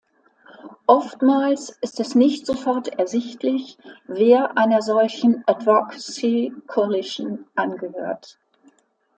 Oftmals ist es nicht sofort ersichtlich, wer einer solchen Advocacy Coalition angehört.